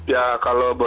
ya kalau bodebek